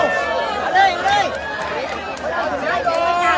สวัสดีครับทุกคน